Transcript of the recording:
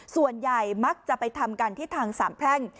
ส่วนใหญ่มักจะไปทำกันที่ทางสามแพร่ง